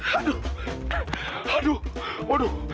aduh aduh aduh